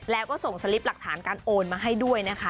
แล้วก็ส่งสลิปหลักฐานการโอนมาให้ด้วยนะคะ